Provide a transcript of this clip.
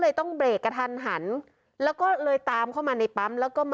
แล้วก็พี่วินแกก็อยู่แล้วเข้ามาในปั๊มเลยครับ